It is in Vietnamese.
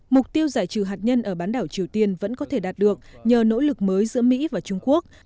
mục tiêu giải trừ hạt nhân ở bán đảo triều tiên vẫn có thể đạt được nhờ nỗ lực mới giữa mỹ và trung quốc